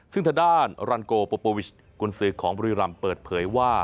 ซึ่งทางด้านรันโกปปวิชคุณสือของบริรัมย์เปิดเผยว่า